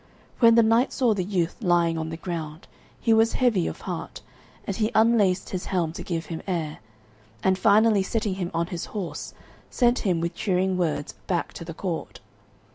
When the knight saw the youth lying on the ground, he was heavy of heart; and he unlaced his helm to give him air, and finally setting him on his horse, sent him with cheering words back to the court.